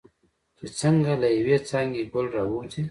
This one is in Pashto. چې څنګه له یوې څانګې ګل راوځي.